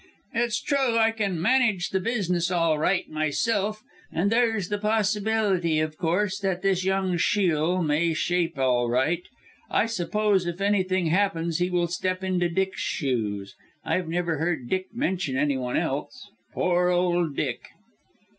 "It's true I can manage the business all right myself and there's the possibility, of course, that this young Shiel may shape all right. I suppose if anything happens he will step into Dick's shoes. I've never heard Dick mention any one else. Poor old Dick!"